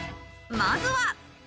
まずは。